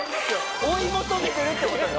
追い求めてるって事よ。